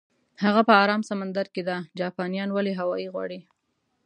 هغه په ارام سمندر کې ده، جاپانیان ولې هاوایي غواړي؟